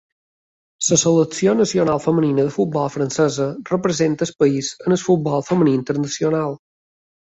La selecció nacional femenina de futbol francesa representa el país al futbol femení internacional.